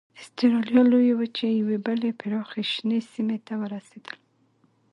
اسټرالیا لویې وچې یوې بلې پراخې شنې سیمې ته ورسېدل.